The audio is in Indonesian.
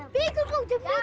bikin kok jemput tuh